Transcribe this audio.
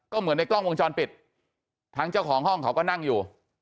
ก็เหมือนในกล้องวงจรปิดทั้งเจ้าของห้องเขาก็นั่งอยู่